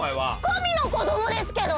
神の子供ですけど！